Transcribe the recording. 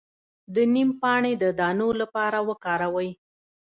د نیم پاڼې د دانو لپاره وکاروئ